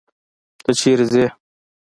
ته چيري ځې؟